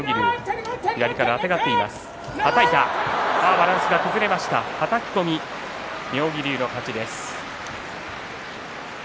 バランスが崩れましたはたき込み、妙義龍の勝ちです。